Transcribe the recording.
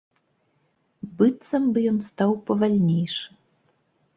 Быццам бы ён стаў павальнейшы.